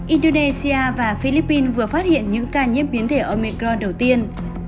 indonesia và philippines vừa phát hiện những ca nhiễm biến thể omecron đầu tiên